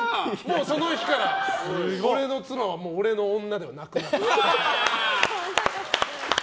その日から俺の妻は俺の女ではなくなった。